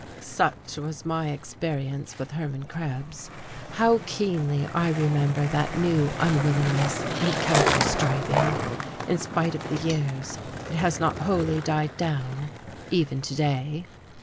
Such was my experience with Hermann Krebs. How keenly I remember that new unwillingness and counter striving! In spite of the years it has not wholly died down, even to day....